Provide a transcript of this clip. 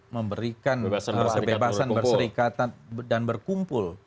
memberikan kebebasan berserikatan dan berkumpul